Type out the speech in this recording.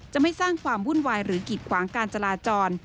ไม่สร้างความวุ่นวายหรือกิดขวางการจราจร